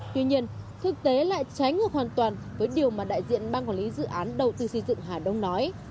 tuy nhiên thực tế lại trái ngược hoàn toàn với điều mà đại diện ban quản lý dự án đầu tư xây dựng hà đông nói